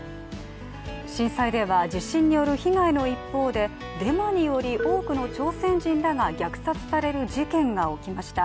震災では地震による被害の一報でデマにより多くの朝鮮人たちが虐殺される事態が起きました。